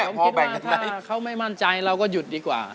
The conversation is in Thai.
ถ้าเขาไม่มั่นใจเราก็หยุดดีกว่า